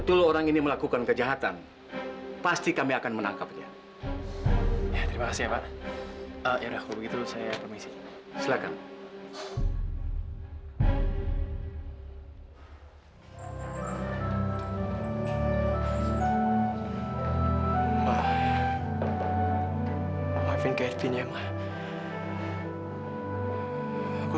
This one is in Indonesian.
terimalah bunga ini sebagai permintaan maaf dari aku